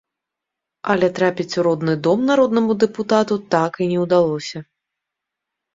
Але трапіць у родны дом народнаму дэпутату так і не ўдалося.